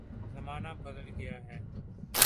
زمانہ بدل گیا ہے۔